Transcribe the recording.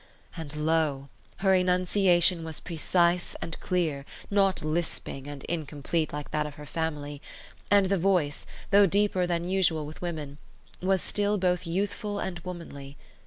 And lo, her enunciation was precise and clear, not lisping and incomplete like that of her family; and the voice, though deeper than usual with women, was still both youthful and womanly.